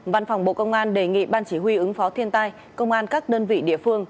văn phòng bộ công an đề nghị ban chỉ huy ứng phó thiên tai công an các đơn vị địa phương